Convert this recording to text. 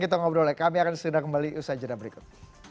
kita ngobrol kami akan segera kembali usaha jenam berikut